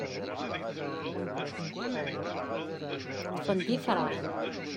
Ṭṭfen-d ifrax.